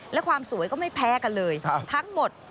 และความสวยก็ไม่แพ้กันเลยทั้งหมด